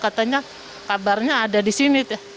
katanya kabarnya ada di sini